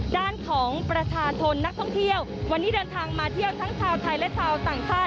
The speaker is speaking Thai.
ด้านของประชาชนนักท่องเที่ยววันนี้เดินทางมาเที่ยวทั้งชาวไทยและชาวต่างชาติ